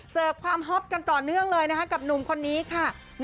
ความฮอตกันต่อเนื่องเลยนะคะกับหนุ่มคนนี้ค่ะ